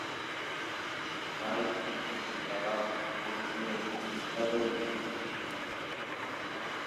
তাঁর বোন অমৃতা রাও বলিউডের একজন বিখ্যাত অভিনেত্রী।